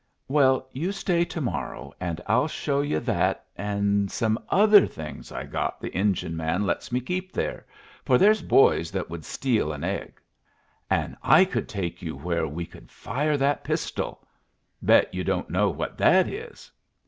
Well, you stay to morrow an' I'll show you that en' some other things I got the engine man lets me keep there, for there's boys that would steal an egg. An' I could take you where we could fire that pistol. Bet you don't know what that is!"